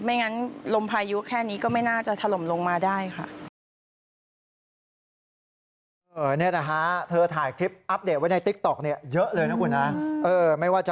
ไม่งั้นลมพายุแค่นี้ก็ไม่น่าจะถล่มลงมาได้ค่ะ